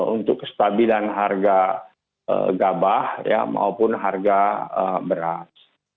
untuk kestabilan harga gabah maupun harga beras